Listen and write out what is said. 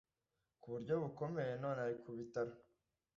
kuburyo bukomeye none ari kubitaro